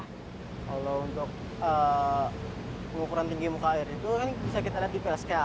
kalau untuk pengukuran tinggi muka air itu kan bisa kita lihat di psk